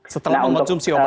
setelah mengonsumsi obat tadi